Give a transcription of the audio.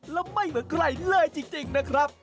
และไม่เหมือนใกล้เรื่อยจริงนะครับ